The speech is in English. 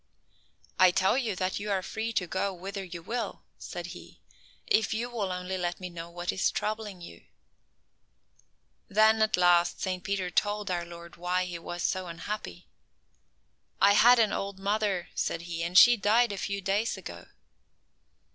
"I tell you that you are free to go whither you will," said He, "if you will only let me know what is troubling you." Then, at last, Saint Peter told our Lord why he was so unhappy. "I had an old mother," said he, "and she died a few days ago."